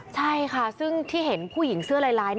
ใช่ค่ะซึ่งที่เห็นผู้หญิงเสื้อลาย